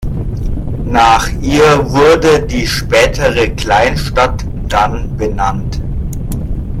Nach ihr wurde die spätere Kleinstadt dann benannt.